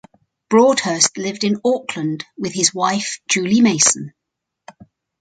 Broadhurst lived in Auckland with his wife Julie Mason.